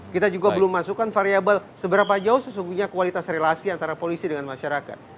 kita juga belum masukkan variable seberapa jauh sesungguhnya kualitas relasi antara polisi dengan masyarakat